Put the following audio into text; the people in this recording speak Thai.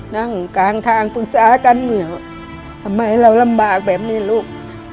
นั่งกลางทางปรึกษาการเมืองทำไมเราลำบากแบบนี้ลูก